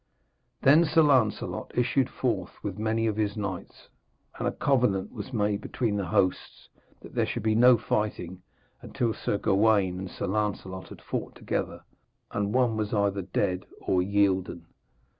Then Sir Lancelot issued forth with many of his knights, and a covenant was made between the hosts that there should be no fighting until Sir Gawaine and Sir Lancelot had fought together, and one was either dead or yielden.